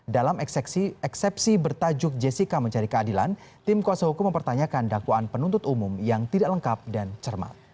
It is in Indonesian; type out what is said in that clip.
dalam eksepsi bertajuk jessica mencari keadilan tim kuasa hukum mempertanyakan dakwaan penuntut umum yang tidak lengkap dan cermat